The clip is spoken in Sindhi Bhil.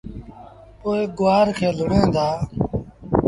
پو گُوآر کي لُڻيٚن دآ